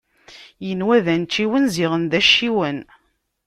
Inwa d anciwen, ziɣen d acciwen.